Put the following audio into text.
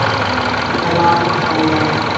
Na laam a hau lai.